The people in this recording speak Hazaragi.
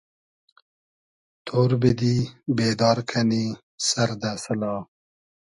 تۉر بیدی , بېدار کئنی سئر دۂ سئلا